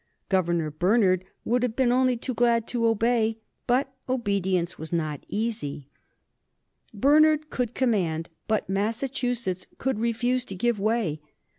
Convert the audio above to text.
Governor Bernard would have been only too glad to obey, but obedience was not easy. [Sidenote: 1770 The Boston massacre] Bernard could command, but Massachusetts could refuse to give way.